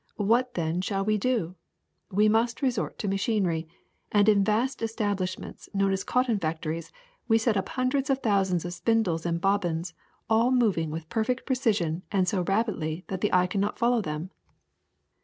What, then, shall we do! We must resort to ma chinery, and in vast establishments known as cotton factories we set up hundreds of thousands of spindles and bobbins, all moving with perfect precision and so rapidly that the eye cannot follow them.